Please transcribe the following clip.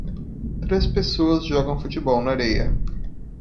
três pessoas jogam futebol na areia.